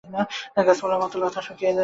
গাছপালার পাতা, লতা শুকিয়ে যেতে থাকে।